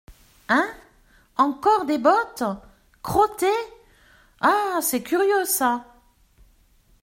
Hein !… encore des bottes !… crottées !… ah ! c’est curieux, ça !